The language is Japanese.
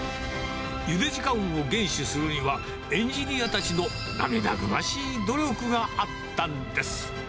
ゆで時間を厳守するにはエンジニアたちの涙ぐましい努力があったんです。